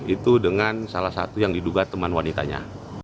itu dengan salah satu yang diduga teman wanitanya